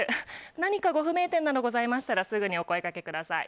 何かご不明点などございましたらすぐにお声掛けください。